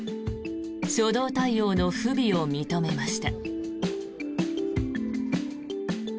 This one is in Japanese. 初動対応の不備を認めました。